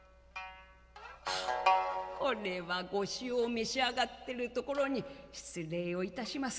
「これは御酒を召し上がってるところに失礼をいたします。